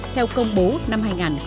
theo công bố năm hai nghìn một mươi tám